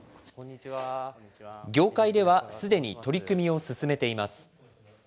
業界ではすでに取り組みを進めています。